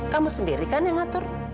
kamu sendiri kan yang ngatur